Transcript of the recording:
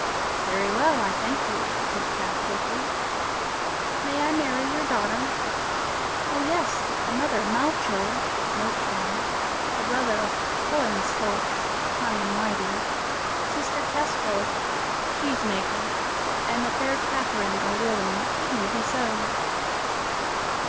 "Very well, I thank you, Pif paf Poltrie." "May I marry your daughter?" "Oh, yes! if the mother Malcho (Milk Cow), the brother Hohenstolz (High and Mighty), the sister Kâsetraut (Cheese maker), and the fair Catherine are willing, it may be so."